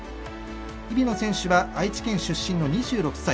日比野選手は愛知県出身の２６歳。